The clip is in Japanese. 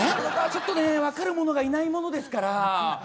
ちょっと分かる者がいないものですから。